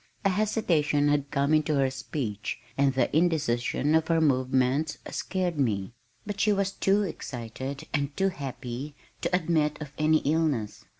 A hesitation had come into her speech, and the indecision of her movements scared me, but she was too excited and too happy to admit of any illness.